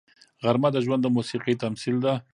غرمه د ژوند د موسیقۍ تمثیل ده